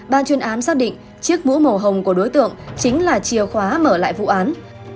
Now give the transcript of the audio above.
ban chuyên án xác định chiếc mũ màu hồng của đối tượng chính là chìa khóa mở lại vụ án